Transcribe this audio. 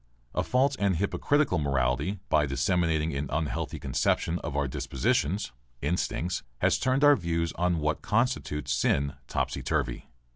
A false and hypocritical morality, by disseminating an unhealthy conception of our dispositions (instincts), has turned our views on what constitutes sin topsy turvy.